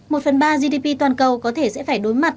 một phần ba gdp toàn cầu có thể sẽ phải đối mặt